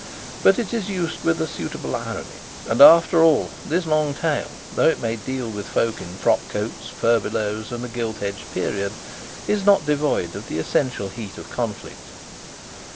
But it is used with a suitable irony; and, after all, this long tale, though it may deal with folk in frock coats, furbelows, and a gilt edged period, is not devoid of the essential heat of conflict.